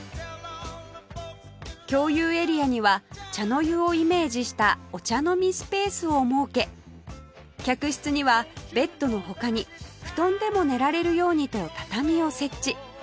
共有エリアには茶の湯をイメージしたお茶飲みスペースを設け客室にはベッドの他に布団でも寝られるようにと畳を設置